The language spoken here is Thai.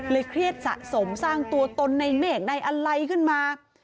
เครียดสะสมสร้างตัวตนในเมฆในอะไรขึ้นมา